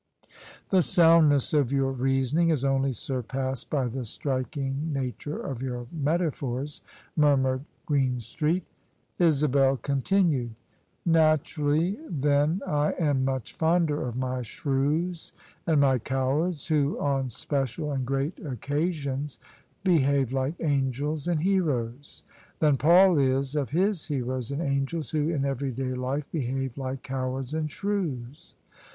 "The soundness of your reasoning is only surpassed by the striking nature of your metaphors," murmured Green street. Isabel continued, " Naturally then I am much fonder of my shrews and my cowards, who on special and great occa sions behave like angels and heroes, than Paul is of his heroes and angels who in everyday life behave like cowards and shrews.